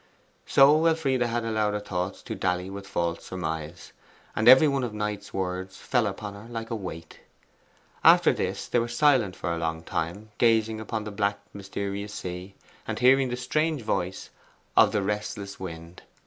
So Elfride had allowed her thoughts to 'dally with false surmise,' and every one of Knight's words fell upon her like a weight. After this they were silent for a long time, gazing upon the black mysterious sea, and hearing the strange voice of the restless wind.